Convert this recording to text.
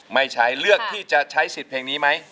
ไม่ใช้เลือกที่จะใช้สิทธิ์เพลงนี้ไหม